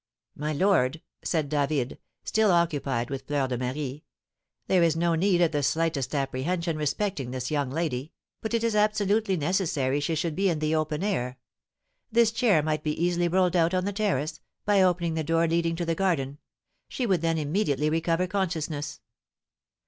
"My lord," said David, still occupied with Fleur de Marie, "there is no need of the slightest apprehension respecting this young lady, but it is absolutely necessary she should be in the open air; this chair might be easily rolled out on the terrace, by opening the door leading to the garden; she would then immediately recover consciousness."